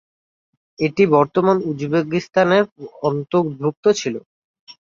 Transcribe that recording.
এটি বর্তমান উজবেকিস্তানের অন্তর্ভুক্ত ছিল।